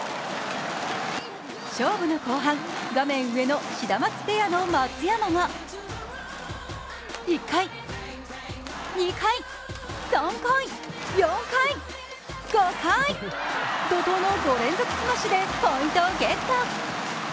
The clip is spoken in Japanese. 勝負の後半、画面上のシダマツペアの松山は１回、２回、３回、４回、５回、怒濤の５連続スマッシュでポイントをゲット。